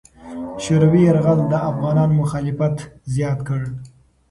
شوروي یرغل د افغانانو مخالفت زیات کړ.